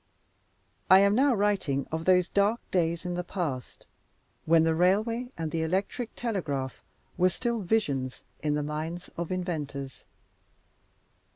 I am now writing of those dark days in the past, when the railway and the electric telegraph were still visions in the minds of inventors.